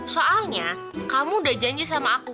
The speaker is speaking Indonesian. soalnya kamu udah janji sama aku